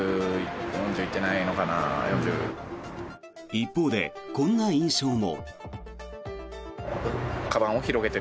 一方で、こんな印象も。